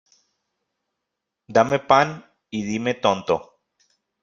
Dame pan, y dime tonto.